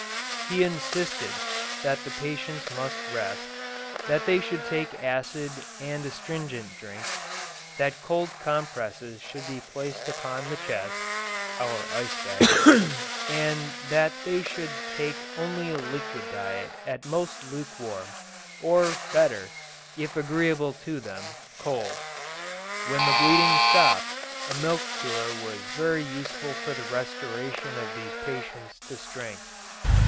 He insisted that the patients must rest, that they should take acid and astringent drinks, that cold compresses should be placed upon the chest (our ice bags), and that they should take only a liquid diet at most lukewarm, or, better, if agreeable to them, cold. When the bleeding stopped, a milk cure was very useful for the restoration of these patients to strength.